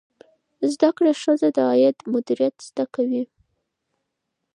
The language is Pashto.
زده کړه ښځه د عاید مدیریت زده کوي.